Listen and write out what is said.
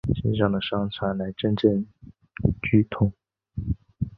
身上的伤传来阵阵剧痛